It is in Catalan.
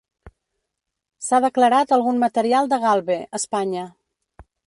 S'ha declarat algun material de Galve, Espanya.